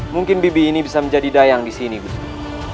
mungkin bibi ini bisa menjadi dayang di sini gusti